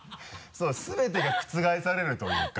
そう全てが覆されるというか。